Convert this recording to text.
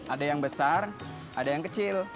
ada yang besar ada yang kecil